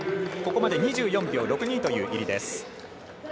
ここまで２４秒６２という入り。